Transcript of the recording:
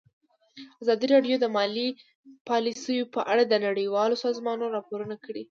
ازادي راډیو د مالي پالیسي په اړه د نړیوالو سازمانونو راپورونه اقتباس کړي.